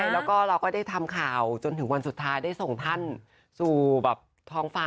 แล้วก็เราก็ได้ทำข่าวจนถึงวันสุดท้ายได้ส่งท่าน